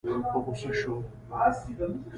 په غوسه شو.